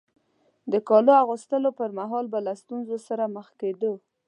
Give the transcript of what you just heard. د کالو اغوستلو پر مهال به له ستونزو سره مخ کېدو.